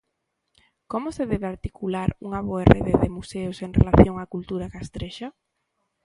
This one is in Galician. Como se debe articular unha boa rede de museos en relación á cultura castrexa?